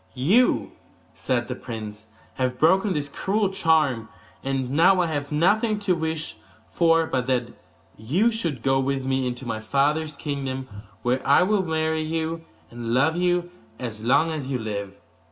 'You,' said the prince, 'have broken his cruel charm, and now I have nothing to wish for but that you should go with me into my father's kingdom, where I will marry you, and love you as long as you live.